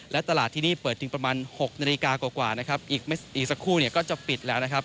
และตลาดที่นี่เปิดจริงประมาณ๖นาฬิกากว่านะครับอีกสักครู่เนี่ยก็จะปิดแล้วนะครับ